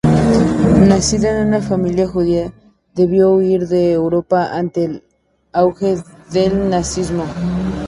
Nacido en una familia judía, debió huir de Europa ante el auge del nazismo.